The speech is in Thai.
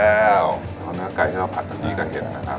แล้วเนื้อไก่ที่เราผัดตอนนี้กับเห็ดนะครับ